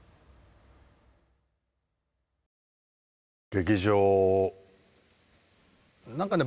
劇場何かね